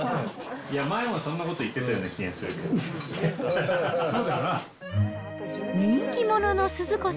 前もそんなこと言ってたような気がするけど。